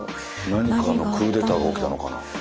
何かのクーデターが起きたのかな？